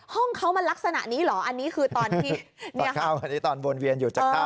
ห้องเขามันลักษณะนี้เหรออันนี้คือตอนที่เข้าอันนี้ตอนวนเวียนอยู่จะเข้า